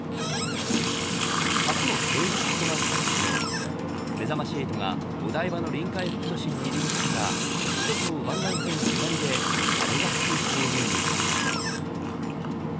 初の平日となった昨日めざまし８がお台場の臨海副都心入り口から首都高湾岸線下りで羽田空港に向かうと。